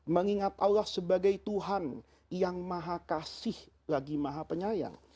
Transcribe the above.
mengingat allah sebagai tuhan yang maha kasih lagi maha penyayang